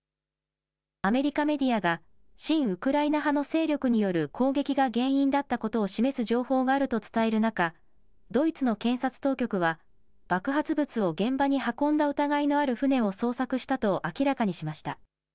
アメリカメディアが、親ウクライナ派の勢力による攻撃が原因だったことを示す情報があると伝える中、ドイツの検察当局は、爆発物を現場に運んだ疑いのある船を捜索したと明らかにしました。